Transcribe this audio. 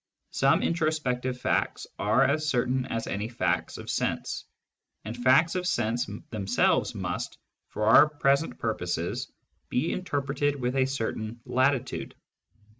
Some introspective facts are as certain as any facts of sense. And facts of sense themselves must, for our present purposes, be interpreted with a certain latitude.